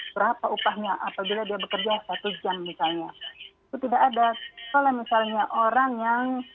berapa upahnya apabila dia bekerja satu jam misalnya